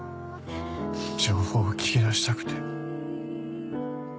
情報を聞き出したくて。